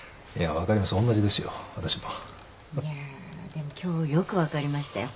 でも今日よく分かりましたよ。